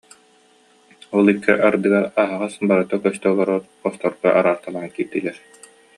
Ол икки ардыгар аһаҕас, барыта көстө олорор хосторго араартаан киллэрдилэр